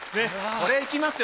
こりゃいきますよ